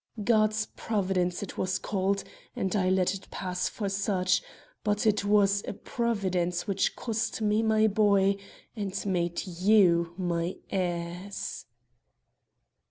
God's providence, it was called, and I let it pass for such; but it was a providence which cost me my boy and made you my heirs."